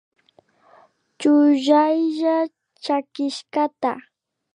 Chuyalla chakishkata